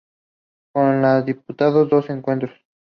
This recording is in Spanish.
Con la ha disputado dos encuentros.